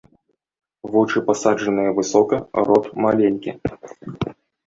Вочы пасаджаныя высока, рот маленькі.